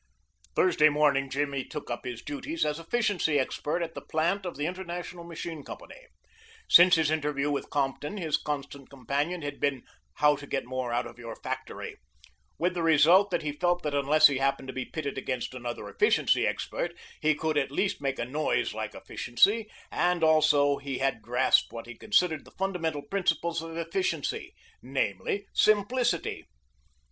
Thursday morning Jimmy took up his duties as efficiency expert at the plant of the International Machine Company. Since his interview with Compton his constant companion had been "How to Get More Out of Your Factory," with the result that he felt that unless he happened to be pitted against another efficiency expert he could at least make a noise like efficiency, and also he had grasped what he considered the fundamental principle of efficiency, namely, simplicity.